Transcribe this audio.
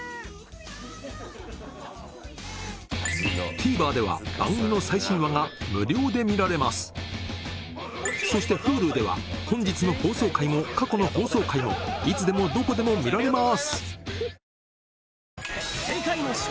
ＴＶｅｒでは番組の最新話が無料で見られますそしてＨｕｌｕでは本日の放送回も過去の放送回もいつでもどこでも見られます